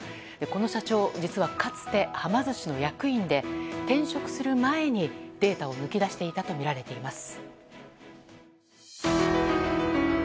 この社長、実はかつてはま寿司の役員で転職する前にデータを抜き出していたとみられています。